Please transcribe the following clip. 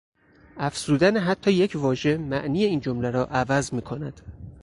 افزودن حتی یک واژه معنی این جمله را عوض میکند.